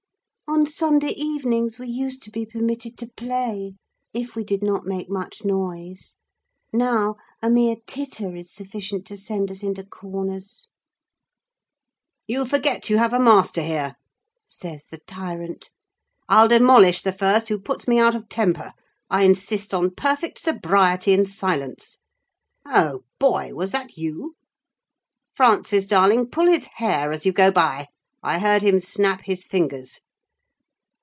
On Sunday evenings we used to be permitted to play, if we did not make much noise; now a mere titter is sufficient to send us into corners. "'You forget you have a master here,' says the tyrant. 'I'll demolish the first who puts me out of temper! I insist on perfect sobriety and silence. Oh, boy! was that you? Frances darling, pull his hair as you go by: I heard him snap his fingers.